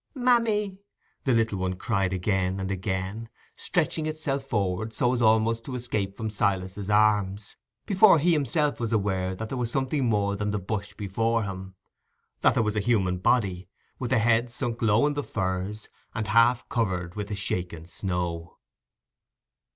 "Mammy!" the little one cried again and again, stretching itself forward so as almost to escape from Silas's arms, before he himself was aware that there was something more than the bush before him—that there was a human body, with the head sunk low in the furze, and half covered with the shaken snow.